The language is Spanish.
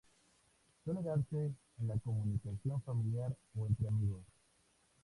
Suele darse en la comunicación familiar o entre amigos.